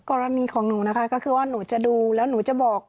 กรณีของหนูนะคะก็คือว่าหนูจะดูแล้วหนูจะบอก